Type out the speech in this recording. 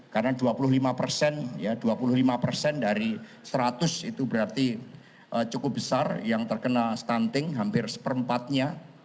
karena dua puluh lima persen dua puluh lima persen dari seratus itu berarti cukup besar yang terkena stunting hampir seperempatnya